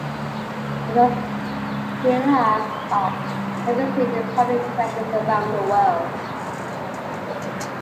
Oton Gliha's art can be seen in public collections around the world.